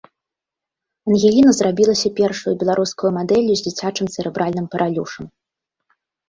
Ангеліна зрабілася першаю беларускаю мадэллю з дзіцячым цэрэбральным паралюшам.